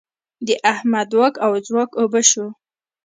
د احمد واک او ځواک اوبه شو.